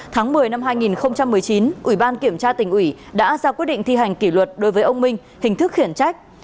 tháng một mươi năm hai nghìn một mươi chín ủy ban kiểm tra tỉnh ủy đã ra quyết định thi hành kỷ luật đối với ông minh hình thức khiển trách